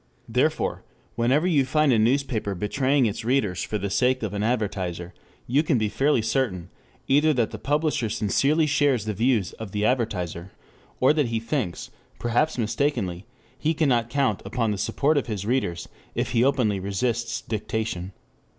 Therefore, whenever you find a newspaper betraying its readers for the sake of an advertiser, you can be fairly certain either that the publisher sincerely shares the views of the advertiser, or that he thinks, perhaps mistakenly, he cannot count upon the support of his readers if he openly resists dictation.